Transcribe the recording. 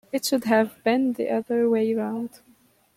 It should have been the other way round.